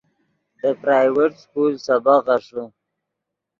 دے پرائیویٹ سکول سبق غیݰے